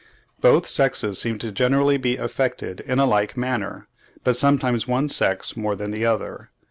Both sexes seem generally to be affected in a like manner, but sometimes one sex more than the other.